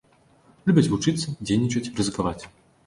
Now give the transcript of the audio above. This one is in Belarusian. Любяць вучыцца, дзейнічаць, рызыкаваць.